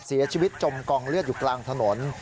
เสียชีวิตจมกองเลือดอยู่กลางถนน